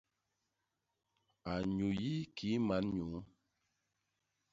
A nyuyi kii man nyuu.